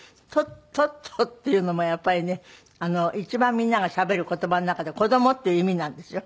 「トット」っていうのもやっぱりね一番みんながしゃべる言葉の中で「子供」っていう意味なんですよ。